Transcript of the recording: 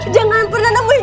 jangan pernah nemu cucu lagi